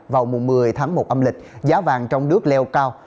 vào mùa một mươi tháng một âm lịch giá vàng trong nước leo cao